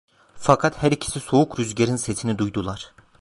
Fakat her İkisi soğuk rüzgarın sesini duydular.